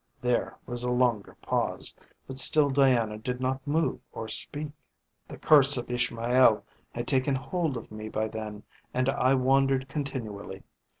There was a longer pause, but still Diana did not move or speak. "The curse of Ishmael had taken hold of me by then and I wandered continually.